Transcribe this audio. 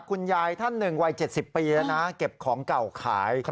คุณยายท่านหนึ่งวัย๗๐ปีแล้วนะเก็บของเก่าขาย